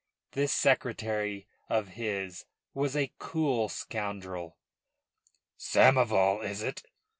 This secretary of his was a cool scoundrel. "Samoval, is it?"